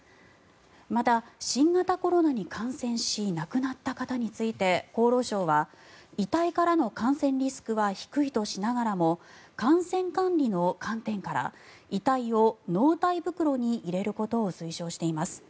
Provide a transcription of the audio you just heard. また、新型コロナに感染し亡くなった方について厚労省は遺体からの感染リスクは低いとしながらも感染管理の観点から遺体を納体袋に入れることを推奨しています。